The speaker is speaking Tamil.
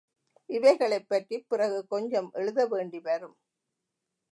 இவைகளைப் பற்றிப் பிறகு கொஞ்சம் எழுத வேண்டி வரும்.